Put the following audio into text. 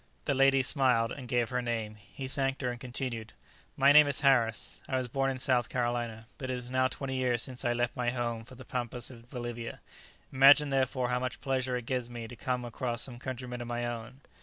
The lady smiled, and gave her name; he thanked her, and continued, "My name is Harris. I was born in South Carolina; but it is now twenty years since I left my home for the pampas of Bolivia; imagine, therefore, how much pleasure it gives me to come across some countrymen of my own."